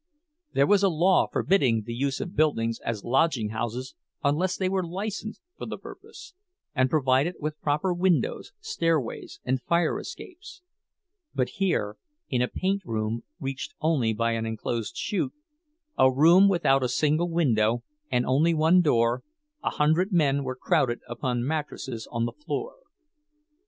There was a law forbidding the use of buildings as lodginghouses unless they were licensed for the purpose, and provided with proper windows, stairways, and fire escapes; but here, in a "paint room," reached only by an enclosed "chute," a room without a single window and only one door, a hundred men were crowded upon mattresses on the floor.